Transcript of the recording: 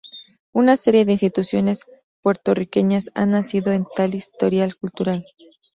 Una serie de instituciones puertorriqueñas han nacido de tal historial cultural.